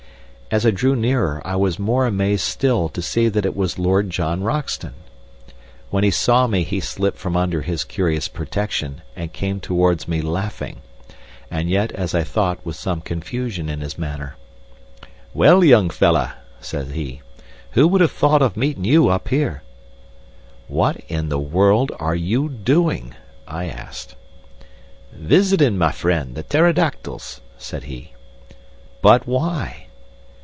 As I drew nearer I was more amazed still to see that it was Lord John Roxton. When he saw me he slipped from under his curious protection and came towards me laughing, and yet, as I thought, with some confusion in his manner. "Well, young fellah," said he, "who would have thought of meetin' you up here?" "What in the world are you doing?" I asked. "Visitin' my friends, the pterodactyls," said he. "But why?"